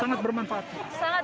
sangat bermanfaat sekali sangat